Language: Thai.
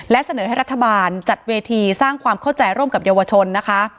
และเสนอให้รัฐบาลจัดเวทีสร้างความเข้าใจร่วมกับเยาวชนนะคะ